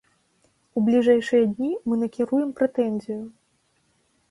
У бліжэйшыя дні мы накіруем прэтэнзію.